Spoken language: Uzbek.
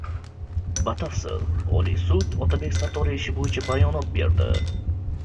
Batafsil: Oliy sud Otabek Sattoriy ishi bo‘yicha bayonot berdi